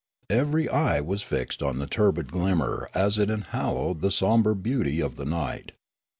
Every eye was fixed on the turbid glimmer as it enhaloed the sombre beauty of the night.